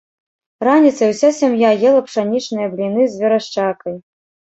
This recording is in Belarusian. Раніцай уся сям'я ела пшанічныя бліны з верашчакай.